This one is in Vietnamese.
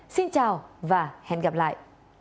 xin chào và hẹn gặp lại